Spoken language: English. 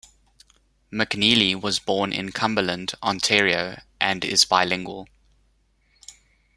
McNeely was born in Cumberland, Ontario and is bilingual.